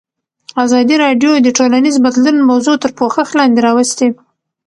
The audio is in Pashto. ازادي راډیو د ټولنیز بدلون موضوع تر پوښښ لاندې راوستې.